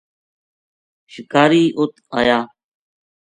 شکاری اُت آیا